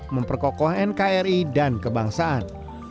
memperkokoh nkri dan kebangsaan